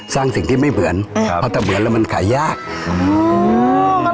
สิ่งที่ไม่เหมือนครับเพราะถ้าเหมือนแล้วมันขายยากอืม